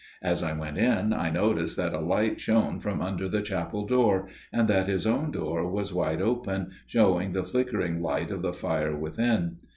As I went in, I noticed that a light shone from under the chapel door, and that his own door was wide open, showing the flickering light of the fire within.